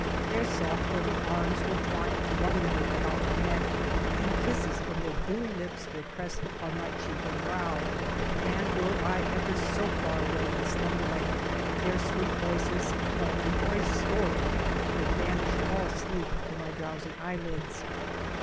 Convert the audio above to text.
Their soft little arms would twine lovingly about my neck and kisses from their dewy lips were pressed upon my cheek and brow. And were I ever so far away in slumber land their sweet voices clamoring for a story would banish all sleep from my drowsy eyelids.